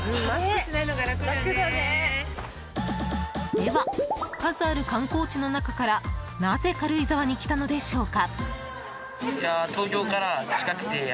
では、数ある観光地の中からなぜ軽井沢に来たのでしょうか？